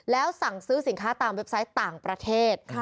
แล้วสั่งซื้อสินค้าตามเว็บไซต์ต่างประเทศ